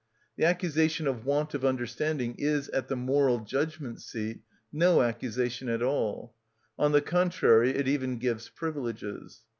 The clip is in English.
The accusation of want of understanding is, at the moral judgment seat, no accusation at all; on the contrary, it even gives privileges.